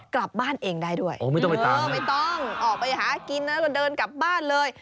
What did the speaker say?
กลับบ้านเองได้ด้วยไม่ต้องออกไปหากินแล้วก็เดินกลับบ้านเลย